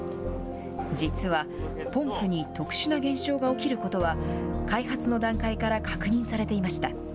実は、ポンプに特殊な現象が起きることは、開発の段階から確認されていました。